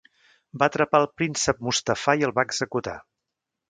Va atrapar el príncep Mustafà i el va executar.